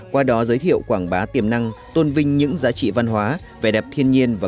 qua đó giới thiệu quảng bá tiềm năng tôn vinh những giá trị văn hóa vẻ đẹp thiên nhiên và